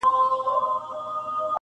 په سینه او ټول وجود کي یې سوې څړیکي -